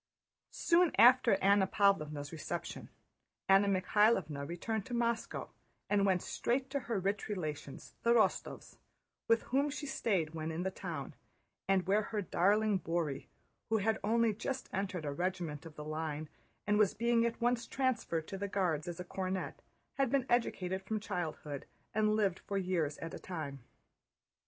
Soon after Anna Pávlovna's reception Anna Mikháylovna returned to Moscow and went straight to her rich relations, the Rostóvs, with whom she stayed when in the town and where her darling Bóry, who had only just entered a regiment of the line and was being at once transferred to the Guards as a cornet, had been educated from childhood and lived for years at a time.